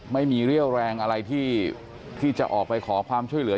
ไม่มีเรี่ยวแรงอะไรที่จะออกไปขอความช่วยเหลือ